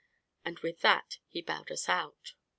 And with that he bowed us out.